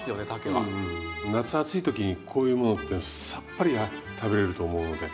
夏暑い時にこういうものってさっぱり食べれると思うので。